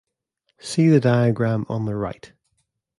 See the diagram on the right.